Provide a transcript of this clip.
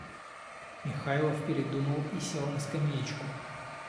Михайлов передумал и сел на скамеечку.